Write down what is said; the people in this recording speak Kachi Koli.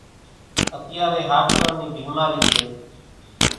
اتيارين هاڏڪان نِي ڀيمارِي سي۔